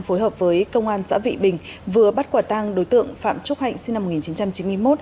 phối hợp với công an xã vị bình vừa bắt quả tang đối tượng phạm trúc hạnh sinh năm một nghìn chín trăm chín mươi một